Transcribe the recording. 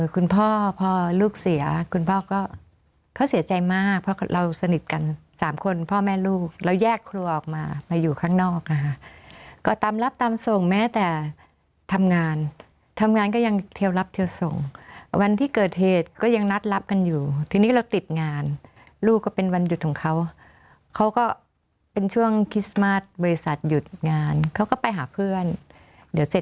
คุณพ่อพอลูกเสียคุณพ่อก็เขาเสียใจมากเพราะเราสนิทกันสามคนพ่อแม่ลูกเราแยกครัวออกมามาอยู่ข้างนอกนะคะก็ตามรับตามส่งแม้แต่ทำงานทำงานก็ยังเที่ยวรับเทียวส่งวันที่เกิดเหตุก็ยังนัดรับกันอยู่ทีนี้เราติดงานลูกก็เป็นวันหยุดของเขาเขาก็เป็นช่วงคริสต์มาสบริษัทหยุดงานเขาก็ไปหาเพื่อนเดี๋ยวเสร็จ